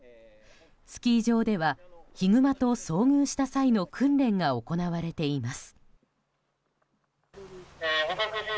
スキー場ではヒグマと遭遇した際の訓練が行われています。